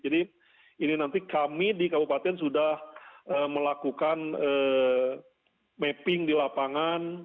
jadi ini nanti kami di kabupaten sudah melakukan mapping di lapangan